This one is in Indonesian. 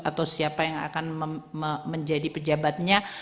atau siapa yang akan menjadi pejabatnya